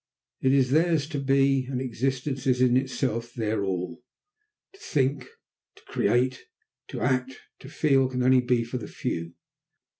It is theirs to be, and existence is in itself their all. To think, to create, to act, to feel can be only for the few.